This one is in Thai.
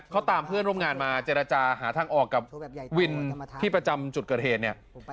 เขาตามเพื่อนร่วมงานมาเจรจาหาทางออกกับวินที่ประจำจุดเกิดเหตุเนี่ย